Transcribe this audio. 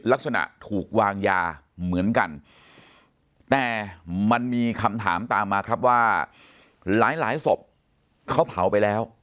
ลักษณะถูกวางยาเหมือนกันแต่มันมีคำถามตามมาครับว่าหลายหลายศพเขาเผาไปแล้ว